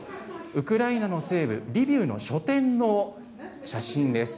ウクライナの西部リビウの書店の写真です。